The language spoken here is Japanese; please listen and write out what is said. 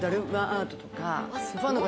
アートとか。